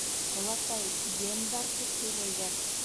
— Олатай, ен бар, тип һөйләйҙәр.